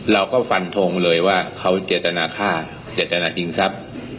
เราก็ฟันทงเลยว่าเขาเจตนาฆ่าเจตนาจริงทรัพย์